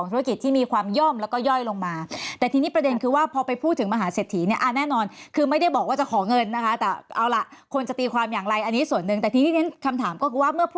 สมมติทุกคนแจกข้าว